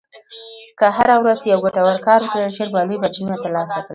که هره ورځ یو ګټور کار وکړې، ژر به لوی بدلونونه ترلاسه کړې.